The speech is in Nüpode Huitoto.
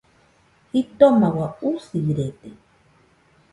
Jitoma ua, usirede.